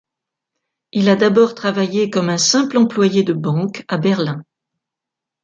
Il a d'abord travaillé comme un simple employé de banque à Berlin.